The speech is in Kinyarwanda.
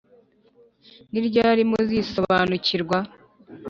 Niryari muzisobanukirwa